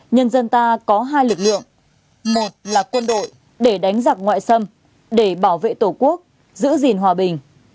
nhân dân ta có hai lực lượng một là quân đội để đánh giặc ngoại xâm để bảo vệ tổ quốc giữ gìn hòa bình